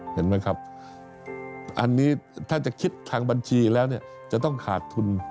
เห็นไหมครับอันนี้ถ้าจะคิดทางบัญชีแล้วเนี่ยจะต้องขาดทุน